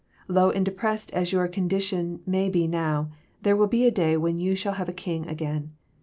Low and de pressed as your condition may be now, there will be a day when you shall have a King again.